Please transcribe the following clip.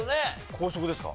高速ですか？